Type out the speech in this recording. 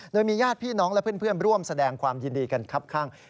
โดยมีญาติพี่น้องและเพื่อนร่วมแสดงความยินดีกันครับข้าง